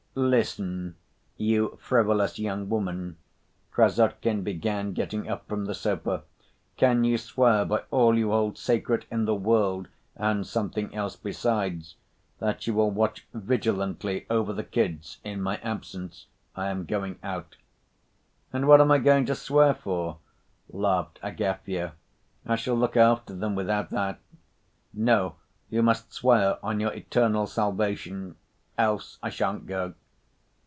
"Listen, you frivolous young woman," Krassotkin began, getting up from the sofa, "can you swear by all you hold sacred in the world and something else besides, that you will watch vigilantly over the kids in my absence? I am going out." "And what am I going to swear for?" laughed Agafya. "I shall look after them without that." "No, you must swear on your eternal salvation. Else I shan't go."